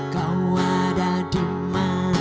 kau ada dimana